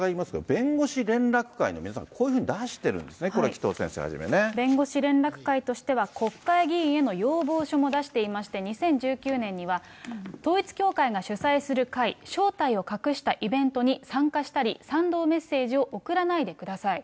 弁護士連絡会の皆さん、こういうふうに出しているんですね、これ、弁護士連絡会としては、国会議員への要望書も出していまして、２０１９年には、統一教会が主催する会、正体を隠したイベントに参加したり賛同メッセージを送らないでください。